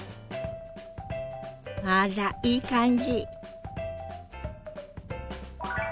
あらいい感じ。